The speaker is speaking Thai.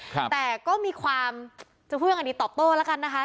แต่ก็มีความจะพูดยังไงดีตอบโต้แล้วกันนะคะ